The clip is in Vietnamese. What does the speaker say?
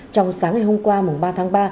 trong sáng ngày hôm qua ba tháng ba